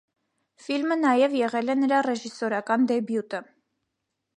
Ֆիլմը նաև եղել է նրա ռեժիսորական դեբյուտը։